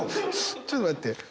ちょっと待って。